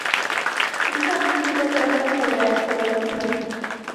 Un capítulo trata sobre astrología.